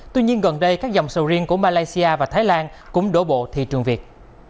tuy nhiên gần đây các dòng sầu riêng của malaysia và thái lan cũng đổ bộ thị trường việt